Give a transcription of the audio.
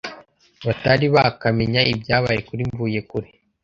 batari bakamenya ibyabaye kuri Mvuyekure